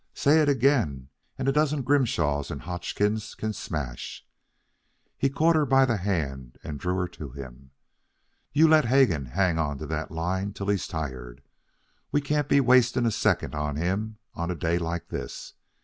"Say it again, and a dozen Grimshaws and Hodgkins can smash!" He caught her by the hand and drew her to him. "You let Hegan hang on to that line till he's tired. We can't be wasting a second on him on a day like this.